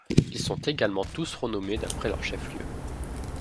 Ils sont également tous renommés d'après leur chef-lieu.